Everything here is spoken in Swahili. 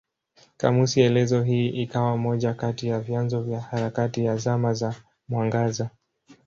Kamusi elezo hii ikawa moja kati ya vyanzo vya harakati ya Zama za Mwangaza.